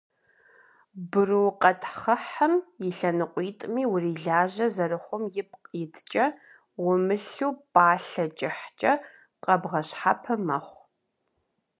Брукъэтхъыхьым и лъэныкъуитӏми урилажьэ зэрыхъум ипкъ иткӏэ, умылъу пӏалъэ кӏыхькӏэ къэбгъэщхьэпэ мэхъу.